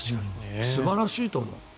素晴らしいと思う。